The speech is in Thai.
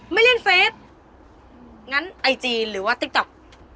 ไม่เล่นเฟสงั้นไอจีหรือว่าติ๊กต๊อก